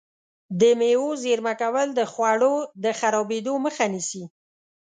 د مېوو زېرمه کول د خوړو د خرابېدو مخه نیسي.